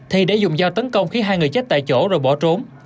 hai người chết tại chỗ rồi bỏ trốn